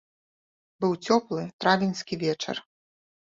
Быў цёплы травеньскі вечар.